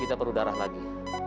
kita perlu darah lagi